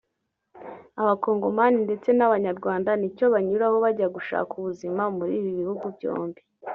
Abakongomani ndetse n’abanyarwanda ni cyo banyuraho bajya gushaka ubuzima muri ibi bihugu byombi